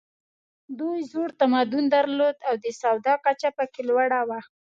دوی زوړ تمدن درلود او د سواد کچه پکې لوړه وه.